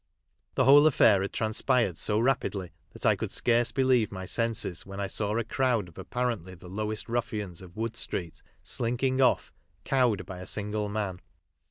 The whole affair had transpired so rapidly that I could scarce believe my senses when I saw a crowd of apparently the lowest ruffians of Wood street slinking off, cowed by a single man.